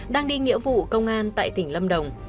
đang đi nghĩa vụ công an tại tỉnh lâm đồng